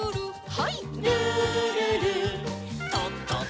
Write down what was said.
はい。